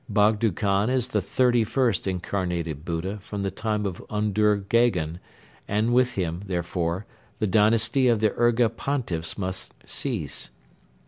Bogdo Khan is the thirty first Incarnated Buddha from the time of Undur Gheghen and with him, therefore, the dynasty of the Urga Pontiffs must cease.